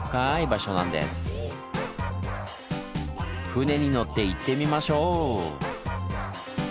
船に乗って行ってみましょう！